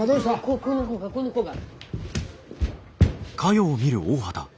ここの子がこの子が！